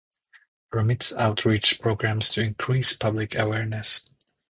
Permits outreach programs to increase public awareness.